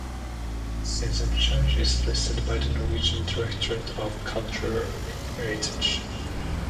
Sinsen Church is listed by the Norwegian Directorate for Cultural Heritage.